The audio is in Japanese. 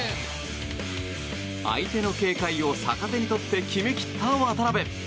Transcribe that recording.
相手の警戒を逆手にとって決め切った渡邊。